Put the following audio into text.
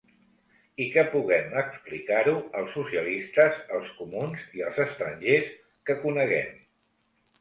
I que puguem explicar-ho als socialistes, als comuns i als estrangers que coneguem.